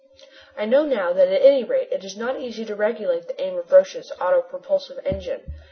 I now know that at any rate it is not easy to regulate the aim of Roch's auto propulsive engine.